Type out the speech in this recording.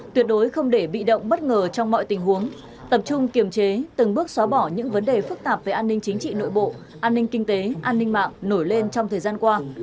tuyệt đối không để bị động bất ngờ trong mọi tình huống tập trung kiềm chế từng bước xóa bỏ những vấn đề phức tạp về an ninh chính trị nội bộ an ninh kinh tế an ninh mạng nổi lên trong thời gian qua